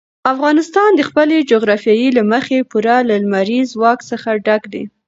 افغانستان د خپلې جغرافیې له مخې پوره له لمریز ځواک څخه ډک دی.